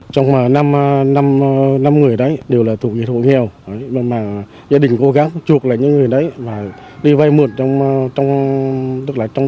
trong năm năm người đấy đều là thủ nghệ thuộc nghèo mà gia đình cố gắng chuộc lại những người đấy và đi vây mượn